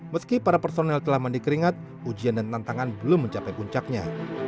meski para personel telah mandi keringat ujian dan tantangan belum mencapai puncaknya